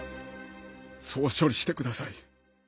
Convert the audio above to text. そう処理してください